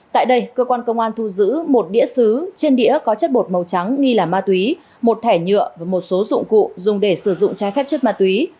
tại đây cơ quan công an thu giữ một đĩa xứ trên đĩa có chất bột màu trắng nghi là ma túy một thẻ nhựa và một số dụng cụ dùng để sử dụng trái phép chất ma túy